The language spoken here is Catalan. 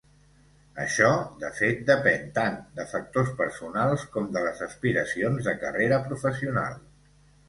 Això, de fet, depèn tant de factors personals com de les aspiracions de carrera professional.